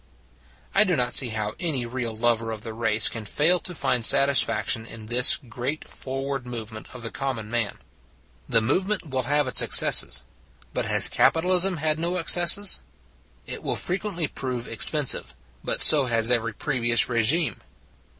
I do not see how any real lover of the race can fail to find satisfaction in this great forward movement of the common man. The movement will have its excesses: but has capitalism had no excesses? It will frequently prove expensive : but so has every previous regime.